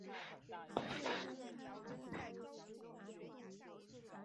此举引起未名空间网友对站方黑箱操作的强烈反弹。